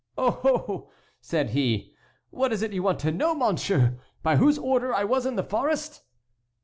"Oh! oh!" said he; "what is it you want to know, monsieur? By whose order I was in the forest?"